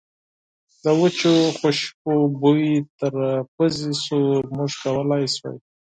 د وچو خوشبو بوی تر پوزې شو، موږ کولای شوای.